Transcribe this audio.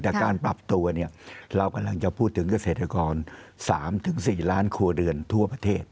แต่การปรับตัวเนี่ยเรากำลังจะพูดถึงเกษตรกร๓๔ล้านครัวเรือนทั่วประเทศ